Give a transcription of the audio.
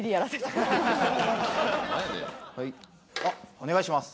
お願いします。